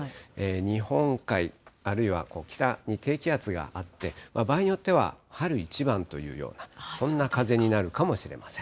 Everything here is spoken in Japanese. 日本海、あるいは北に低気圧があって、場合によっては春一番というような、そんな風になるかもしれません。